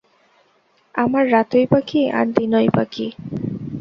আমার রাতই বা কী, আর দিনই বা কী!